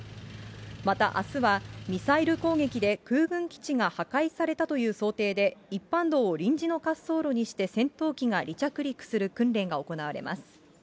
またあすは、ミサイル攻撃で空軍基地が破壊されたという想定で、一般道を臨時の滑走路にして戦闘機が離着陸する訓練が行われます。